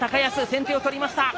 先手を取りました。